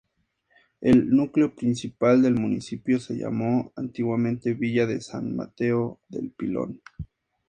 El núcleo principal del municipio se llamó antiguamente Villa de San Mateo del Pilón.